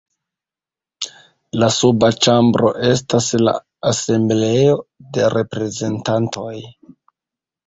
La suba ĉambro estas la Asembleo de Reprezentantoj.